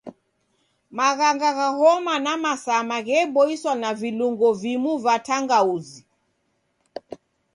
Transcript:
Maghanga gha homa na masama gheboiswa na vilungo vimu va tangauzi.